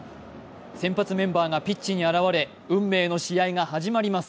先発メンバーがピッチに現れ、運命の試合が始まります。